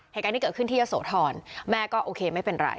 เหตุการณ์ที่เกิดขึ้นที่ยะโสธรแม่ก็โอเคไม่เป็นไร